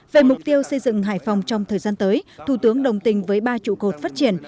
về mục tiêu xây dựng hải phòng trong thời gian tới thủ tướng đồng tình với ba trụ cột phát triển